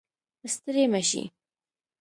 ستړې مه شې